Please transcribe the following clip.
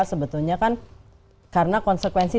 sebetulnya kan karena konsekuensi